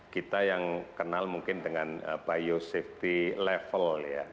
kita yang kenal mungkin dengan biosafety level ya